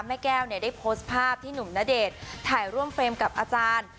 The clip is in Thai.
แม่แก้วเนี่ยได้โพสต์ภาพที่หนุ่มณเดชน์ถ่ายร่วมเฟรมกับอาจารย์